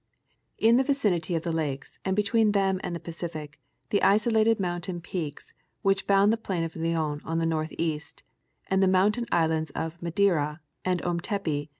318 National Geographic Magazine. In the vicinity of the lakes and between them and the Pacific,, the isolated mountain peaks which bound the plain of Leon on the northeast ; the mountain islands of Madera and Ometepe